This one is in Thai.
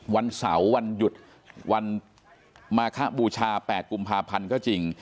วันเสาร์วันหยุดวันมาคบูชา๘กุมภาพันธ์ก็จริง